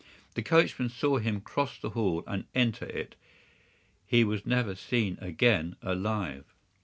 The coachman saw him cross the hall and enter it. He was never seen again alive.